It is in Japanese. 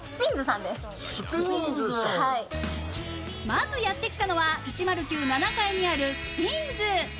まずやってきたのは１０９７階にあるＳＰＩＮＮＳ。